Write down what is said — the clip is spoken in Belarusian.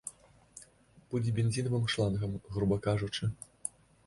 Будзе бензінавым шлангам, груба кажучы.